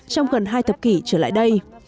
trong gần hai thập kỷ trở lại đây